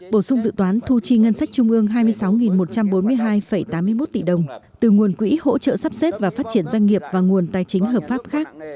bổ sung dự toán thu chi ngân sách trung ương hai mươi sáu một trăm bốn mươi hai tám mươi một tỷ đồng từ nguồn quỹ hỗ trợ sắp xếp và phát triển doanh nghiệp và nguồn tài chính hợp pháp khác